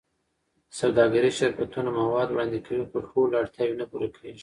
سوداګریز شرکتونه مواد وړاندې کوي، خو ټول اړتیاوې نه پوره کېږي.